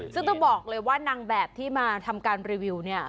ซึ่งต้องบอกเลยว่านางแบบที่มาทำการรีวิวเนี่ย